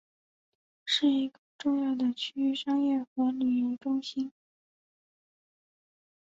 是一个重要的区域性商业和旅游业中心。